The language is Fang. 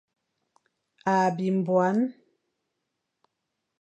A bin nbuan.